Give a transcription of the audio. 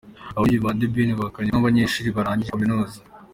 Ababyinnyi ba The Ben bari bambaye nkabanyeshuri barangije kaminuza.